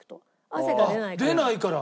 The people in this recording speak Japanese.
汗が出ないから。